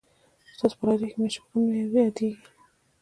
ستاسو په لهجه کې ماشې په کوم نوم یادېږي؟